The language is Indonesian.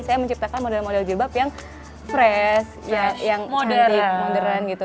saya menciptakan model model jilbab yang fresh yang modern gitu